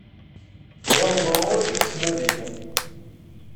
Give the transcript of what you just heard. D ameḍṛuṛ i yettnadin.